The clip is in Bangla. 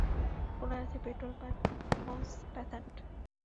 কোনায় আছেন পেট্রলম্যান মউপ্যাস্যান্ট।